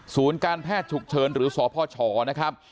การแพทย์ฉุกเฉินหรือสพชนะครับ